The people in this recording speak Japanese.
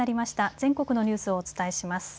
全国のニュースをお伝えします。